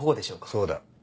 そうだ。